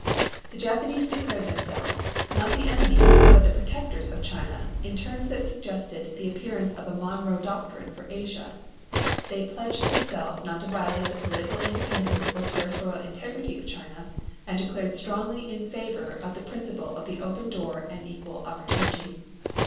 The Japanese declared themselves, not the enemies, but the protectors of China in terms that suggested the appearance of a Monroe Doctrine for Asia. They pledged themselves not to violate the political independence or territorial integrity of China, and declared strongly in favor of the principle of the open door and equal opportunity.